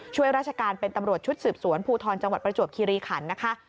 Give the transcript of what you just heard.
ช่วยราชการเป็นตำรวจชุดสืบสวนภูทรจังหวัดประจวบคิริขันนะคะ